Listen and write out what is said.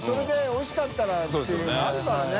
おいしかったらっていうのあるからね。